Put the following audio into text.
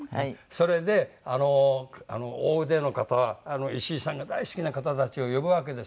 それで大勢の方石井さんが大好きな方たちを呼ぶわけですよ。